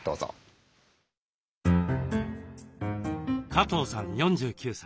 加藤さん４９歳。